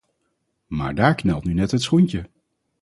Maar daar knelt nu net het schoentje.